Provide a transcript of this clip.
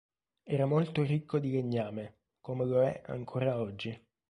Era molto ricco di legname, come lo è ancora oggi.